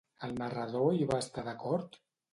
El narrador hi va estar d'acord?